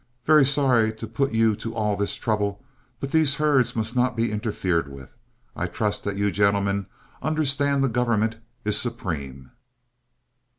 Very sorry to put you to all this trouble, but these herds must not be interfered with. I trust that you gentlemen understand that the government is supreme."